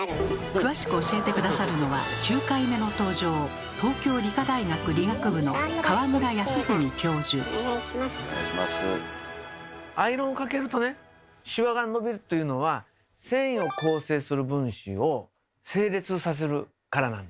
詳しく教えて下さるのは９回目の登場アイロンをかけるとねシワが伸びるというのは繊維を構成する分子を整列させるからなんですね。